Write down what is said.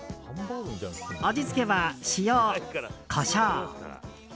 味付けは塩、コショウ。